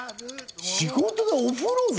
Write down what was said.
仕事で、お風呂で。